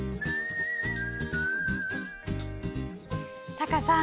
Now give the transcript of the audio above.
タカさん